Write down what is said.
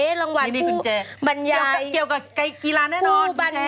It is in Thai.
ตอบมาในลายนะฮะ